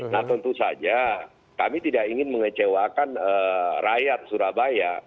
nah tentu saja kami tidak ingin mengecewakan rakyat surabaya